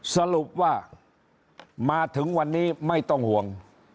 สรุปว่ามาถึงวันนี้ไม่ต้องห่วง